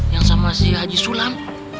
yang sama si haji sulam